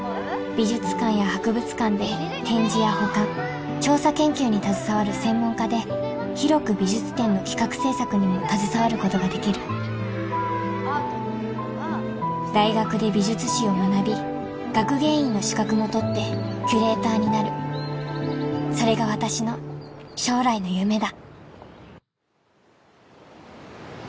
美術館や博物館で展示や保管調査研究に携わる専門家で広く美術展の企画制作にも携わることができるアートっていうのは大学で美術史を学び学芸員の資格も取ってキュレーターになるそれが私の将来の夢だ